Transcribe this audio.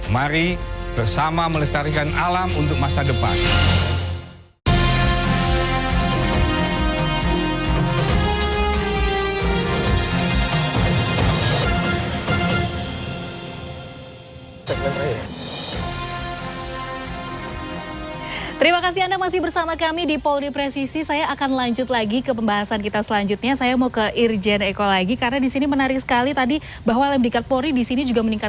mari bersama melestarikan alam untuk masa depan